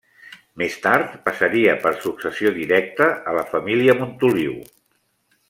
Més tard, passaria per successió directa a la família Montoliu.